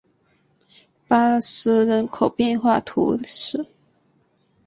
巴斯人口变化图示